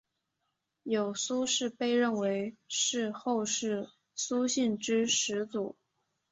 有苏氏被认为是后世苏姓之始祖。